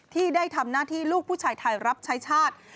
ที่ได้ทำหน้าที่ลูกผู้ชายไทยรับใช้ชาติ